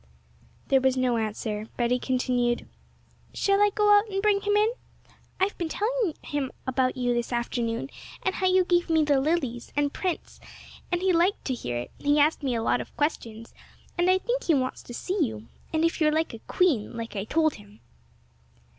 There was no answer. Betty continued: 'Shall I just go out and bring him in? I've been telling him about you this afternoon, and how you gave me the lilies, and Prince, and he liked to hear it; he asked me a lot of questions, and I think he wants to see you, and if you're like a queen, like I told him!'